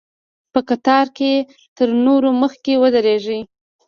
په قطار کې تر نورو مخکې ودرېږي.